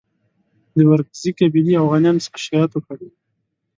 د ورکزي قبیلې اوغانیانو څخه شکایت وکړ.